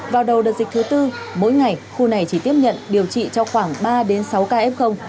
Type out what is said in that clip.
vào đầu đợt dịch thứ tư mỗi ngày khu này chỉ tiếp nhận điều trị cho khoảng ba đến sáu ca f